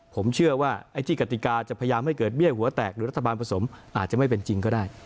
ผมเชื่อว่าไอ้ที่กติกาจะพยายามให้เกิดเบี้ยหัวแตกหรือรัฐบาลผสมอาจจะไม่เป็นจริงก็ได้